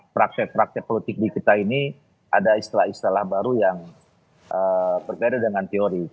praktek praktek politik di kita ini ada istilah istilah baru yang berkaitan dengan teori